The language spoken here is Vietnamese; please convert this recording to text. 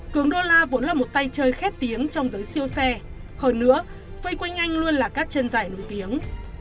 cường đô la vốn là một tay chơi khét tiếng trong giới siêu xe hơn nữa vây quanh anh luôn là các chân giải nổi tiếng